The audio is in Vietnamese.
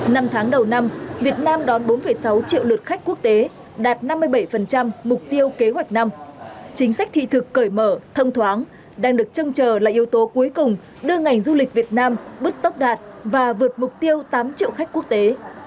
năm tháng đầu năm việt nam đón bốn sáu triệu lượt khách quốc tế đạt năm mươi bảy mục tiêu kế hoạch năm chính sách thị thực cởi mở thông thoáng đang được trông chờ là yếu tố cuối cùng đưa ngành du lịch việt nam bước tốc đạt và vượt mục tiêu tám triệu khách quốc tế